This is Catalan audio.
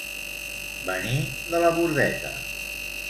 Venir de la Bordeta.